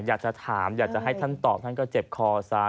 อยากจะถามอยากจะให้ท่านตอบท่านก็เจ็บคอซ้าย